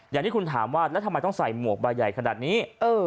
อย่างที่คุณถามว่าแล้วทำไมต้องใส่หมวกใบใหญ่ขนาดนี้